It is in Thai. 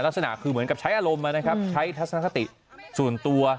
ลักษณะคือเหมือนกับใช้อารมณ์นะครับใช้ทัศนคติส่วนตัว